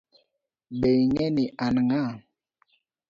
Be ing'e ni an ng'a?